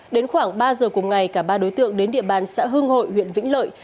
đến khoảng ba giờ cùng ngày cả ba đối tượng đến địa bàn xã hưng hội huyện vĩnh lợi